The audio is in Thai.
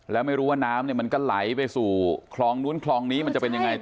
แล้วไม่รู้ว่าน้ำมันก็ไหลไปสู่คลองนู้นคลองนี้มันจะเป็นยังไง